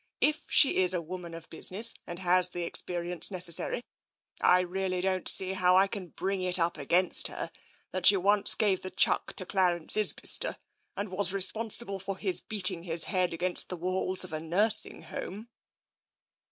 If she is a woman of business and has the experience necessary, I really don't see how I can bring it up against her that she once gave the chuck to Clarence Isbister and was responsible for his beating his head against the walls of his nursing home."